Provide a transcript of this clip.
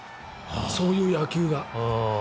そういう野球が。